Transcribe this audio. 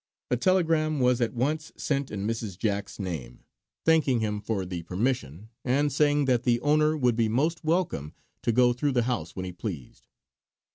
A telegram was at once sent in Mrs. Jack's name, thanking him for the permission and saying that the owner would be most welcome to go through the house when he pleased.